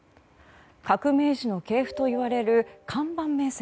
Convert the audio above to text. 革命児の系譜といわれる看板名跡